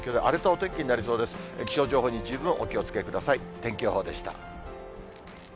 天気予報でした。